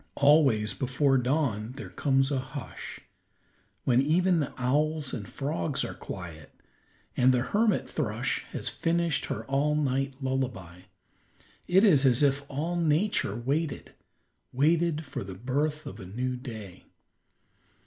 Always, before dawn, there comes a hush, when even the owls and frogs are quiet, and the hermit thrush has finished her all night lullaby. It is as if all Nature waited; waited for the birth of a new day.